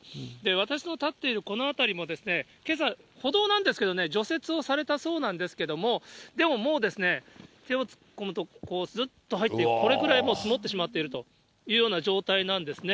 私の立っているこの辺りも、けさ、歩道なんですけどね、除雪をされたそうなんですけれども、でももう、手を突っ込むと、すっと入っていく、これぐらいもう積もってしまっているというような状態なんですね。